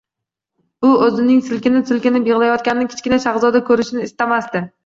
U o‘zining silkinib-silkinib yig‘layotganini Kichkina shahzoda ko‘rishini istamasdi.